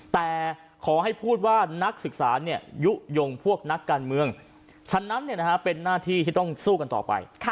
แต่ขอให้พูดว่านักศึกษายุโยงพวกนักการเมืองฉะนั้นเป็นหน้าที่ที่ต้องสู้กันต่อไป